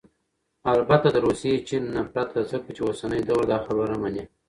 البته دروسي ، چين ... نه پرته ، ځكه چې اوسنى دور داخبره مني